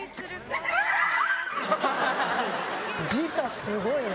時差、すごいな。